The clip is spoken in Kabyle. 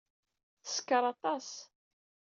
Teskeṛ aṭas.